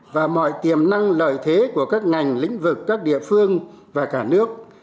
và mọi tiềm năng lợi thế của các ngành lĩnh vực các địa phương và cả nước